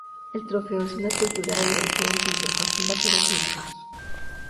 El trofeo es una escultura de bronce del pintor Joaquín Vaquero Turcios.